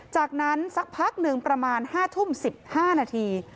จากนั้นสักพักหนึ่งประมาณ๕ทุ่ม๑๕นาที